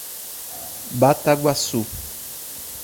Bataguaçu